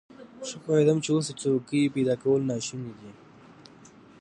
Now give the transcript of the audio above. ښه پوهېدم چې اوس د څوکۍ پيدا کول ناشوني دي.